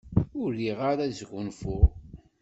Ur riɣ ara ad sgunfuɣ.